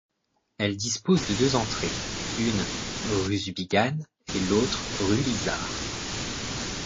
Elle dispose de deux entrées, une rue Zubigane et l'autre rue Lizarre.